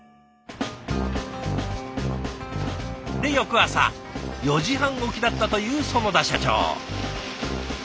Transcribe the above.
で翌朝４時半起きだったという囿田社長。